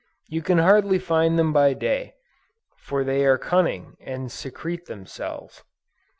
You can hardly find them by day, for they are cunning and secrete themselves.